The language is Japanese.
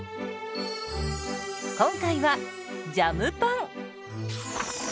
今回はジャムパン。